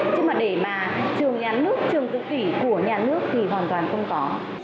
chứ mà để mà trường nhà nước trường tự kỳ của nhà nước thì hoàn toàn không có